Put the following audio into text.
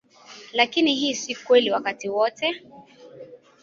Lakini hii si kweli wakati wote.